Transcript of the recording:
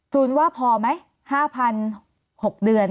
จูนว่าพอไหม๕๐๐๐๖เดือนค่ะ